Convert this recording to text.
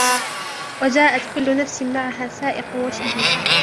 وجاءت كل نفس معها سائق وشهيد